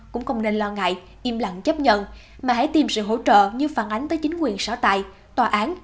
cũng không nên lo ngại im lặng chấp nhận mà hãy tìm sự hỗ trợ như phản ánh tới chính quyền sở tại tòa án